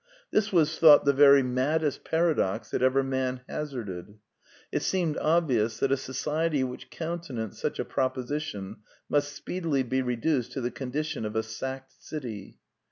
This was thought the 8 The Quintessence of Ibsenism very maddest paradox that ever man hazarded: it seemed obvious that a society which counte nanced such a proposition must speedily be reduced to the condition of a sacked city.